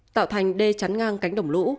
tạo thành đê chắn ngang cánh đồng lũ